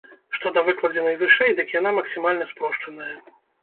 Што да выкладзенай вышэй, дык яна максімальна спрошчаная.